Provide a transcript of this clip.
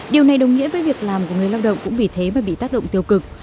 điều này đồng nghĩa với việc làm của người lao động cũng vì thế mà bị tác động tiêu cực